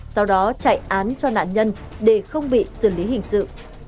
sau đó chạy án cho nạn nhân để không bị xử lý hình sự